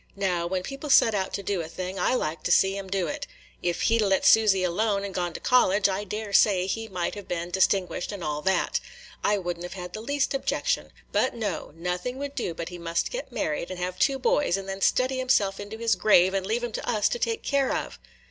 Now, when people set out to do a thing, I like to see 'em do it. If he 'd a let Susy alone and gone to college, I dare say he might have been distinguished, and all that. I would n't have had the least objection. But no, nothing would do but he must get married, and have two boys, and then study himself into his grave, and leave 'em to us to take care of."